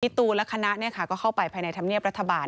ตูนและคณะก็เข้าไปภายในธรรมเนียบรัฐบาล